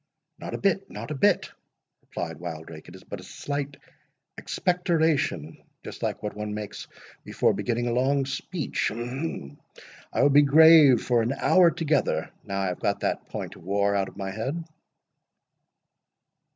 "Not a bit, not a bit," replied Wildrake; "it is but a slight expectoration, just like what one makes before beginning a long speech. I will be grave for an hour together, now I have got that point of war out of my head."